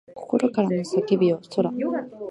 心からの叫びよそら